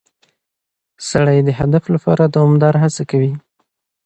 سړی د هدف لپاره دوامداره هڅه کوي